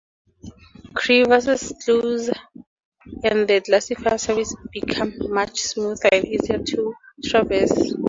Crevasses close and the glacier surface becomes much smoother and easier to traverse.